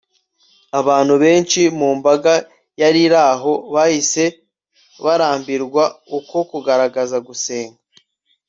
Abantu benshi mu mbaga yari aho bahise barambirwa uko kugaragaza gusenga